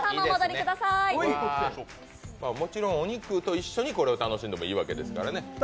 もちろんお肉と一緒に楽しんでもいいわけですからね。